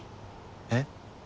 えっ？